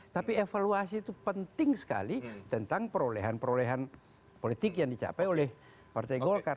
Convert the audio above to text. tapi evaluasi itu penting sekali tentang perolehan perolehan politik yang dicapai oleh partai golkar